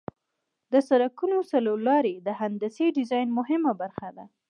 د سرکونو څلور لارې د هندسي ډیزاین مهمه برخه ده